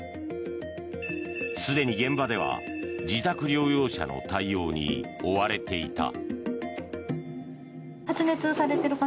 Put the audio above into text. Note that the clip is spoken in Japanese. すでに現場では自宅療養者の対応に追われていた。